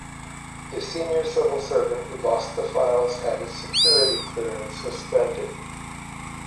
The senior civil servant who lost the files had his security clearance suspended.